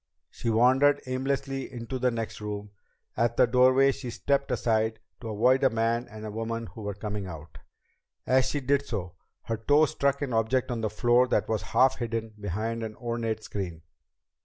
She wandered aimlessly into the next room. At the doorway she stepped aside to avoid a man and woman who were coming out. As she did so, her toe struck an object on the floor that was half hidden behind an ornate screen.